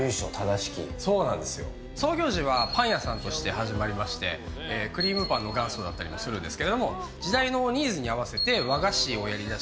創業時はパン屋さんとして始まりまして、クリームパンの元祖だったりもするんですが時代のニーズに合わせて和菓子をやり出し